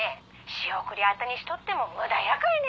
仕送りあてにしとっても無駄やかいね。